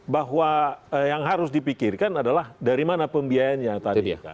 bahwa yang harus dipikirkan adalah dari mana pembiayaannya tadi